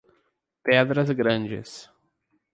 Pedras Grandes